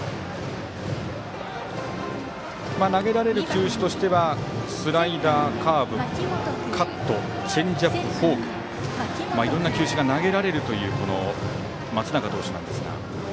投げられる球種としてはスライダー、カーブカット、チェンジアップフォークいろんな球種が投げられる松永投手です。